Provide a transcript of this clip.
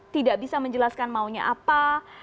tidak bisa menjelaskan maunya apa